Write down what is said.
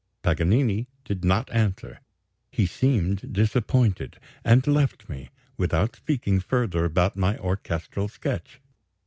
Paganini did not answer; he seemed disappointed, and left me without speaking further about my orchestral sketch.